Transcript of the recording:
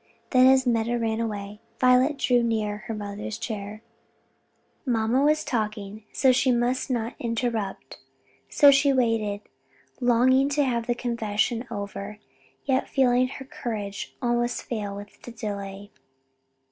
Then as Meta ran away, Violet drew near her mother's chair. Mamma was talking, and she must not interrupt, so she waited, longing to have the confession over, yet feeling her courage almost fail with the delay.